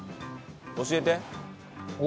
教えて。